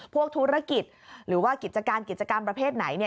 พวกธุรกิจหรือว่ากิจการกิจกรรมประเภทไหน